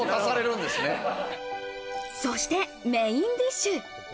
そしてメインディッシュ。